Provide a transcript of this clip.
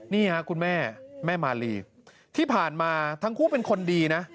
นี่ค่ะคุณแม่แม่มาลีที่ผ่านมาทั้งคู่เป็นคนดีนะ